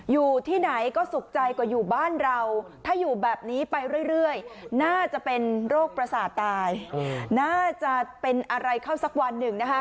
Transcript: อยู่ที่ไหนก็สุขใจกว่าอยู่บ้านเราถ้าอยู่แบบนี้ไปเรื่อยน่าจะเป็นโรคประสาทตายน่าจะเป็นอะไรเข้าสักวันหนึ่งนะคะ